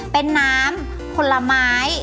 เป็นน้ำผลไม้